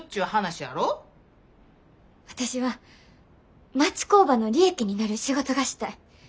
私は町工場の利益になる仕事がしたい。